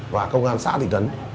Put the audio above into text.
và công an xã thị trấn